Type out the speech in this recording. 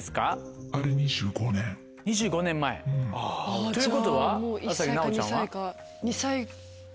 ２５年前ということは朝日奈央ちゃんは？